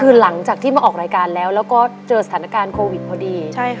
คือหลังจากที่มาออกรายการแล้วแล้วก็เจอสถานการณ์โควิดพอดี